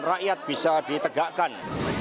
dan rakyat bisa ditegakkan